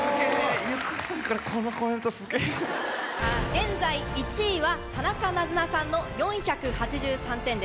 現在１位は田中なずなさんの４８３点です。